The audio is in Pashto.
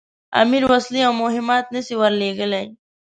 امیر وسلې او مهمات نه سي ورلېږلای.